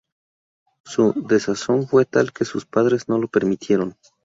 Su desazón fue tal que sus padres no lo permitieron.